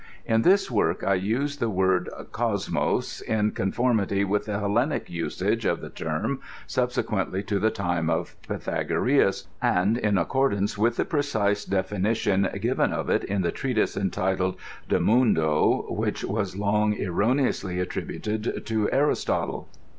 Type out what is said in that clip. In this woric I use the word Cosmos in conformity with the Hellenic usage of the term subsequently to the time of Pjrthagoras, and in accordance with the precise definition given of it in the treatise entitled De Mundo^ which was long erroneously attributed to Aristotle.